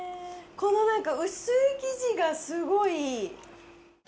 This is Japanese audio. この何か薄い生地がすごいいい。